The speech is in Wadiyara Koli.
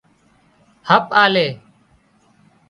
هپ آلي